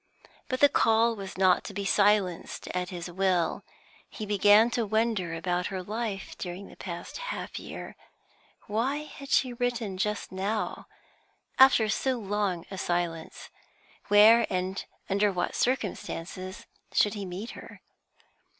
But the call was not to be silenced at his will. He began to wonder about her life during the past half year. Why had she written just now, after so long a silence? Where, and under what circumstances, should he meet her?